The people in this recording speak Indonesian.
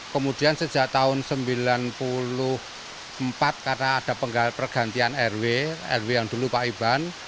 kemudian sejak tahun seribu sembilan ratus sembilan puluh empat karena ada pergantian rw rw yang dulu pak iban